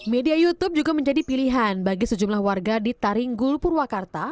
media youtube juga menjadi pilihan bagi sejumlah warga di taring gulpur wakarta